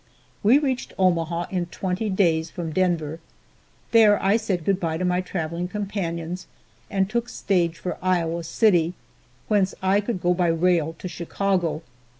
We reached Omaha in twenty days from Denver. There I said good by to my traveling companions and took stage for Iowa City, whence I could go by rail to Chicago.